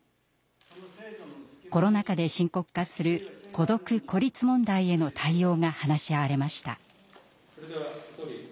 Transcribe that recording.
コロナ禍で深刻化する孤独・孤立問題への対応が話し合われました。